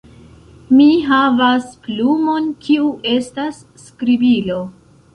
Mi havas plumon kiu estas skribilo